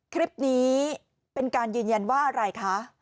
คลิปนี้เป็นการยืนยันว่าอะไรคะ